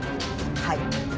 はい。